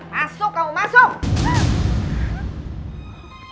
masuk kamu masuk